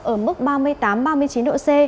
ở mức ba mươi tám ba mươi chín độ c